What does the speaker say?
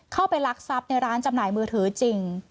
ลักทรัพย์ในร้านจำหน่ายมือถือจริง